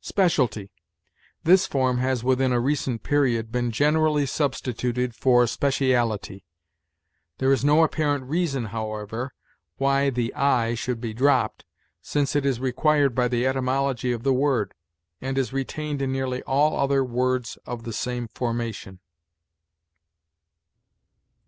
SPECIALTY. This form has within a recent period been generally substituted for speciality. There is no apparent reason, however, why the i should be dropped, since it is required by the etymology of the word, and is retained in nearly all other words of the same formation.